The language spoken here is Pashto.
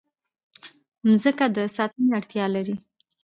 مځکه د ساتنې اړتیا لري.